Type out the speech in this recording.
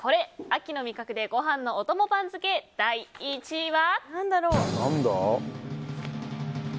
秋の味覚でご飯のお供番付第１位は。